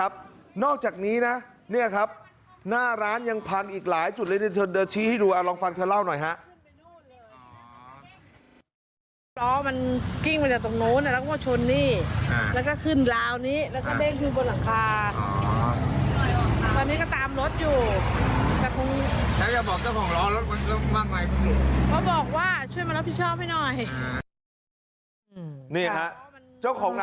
บอกว่าช่วยมารับผิดชอบให้หน่อย